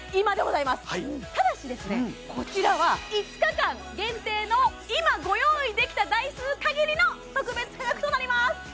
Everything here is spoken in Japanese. こちらは５日間限定の今ご用意できた台数かぎりの特別価格となります